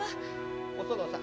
お園さん。